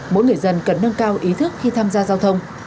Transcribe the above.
mỗi người dân cần nâng cao ý thức khi tham gia giao thông